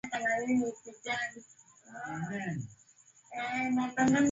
amani haiwezi kuja kwa upanga ila